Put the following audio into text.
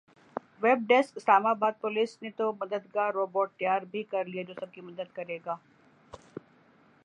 web desk Islamabad police نے تو مددگار روبوٹ تیار بھی کرلیا جو سب کی مدد کرے گا